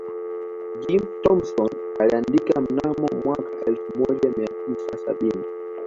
Jim thompson aliandika mnamo mwaka elfu moja mia tisa sabini